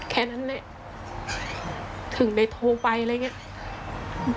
แค่นั้นแหละถึงได้โทรไปอะไรอย่างนี้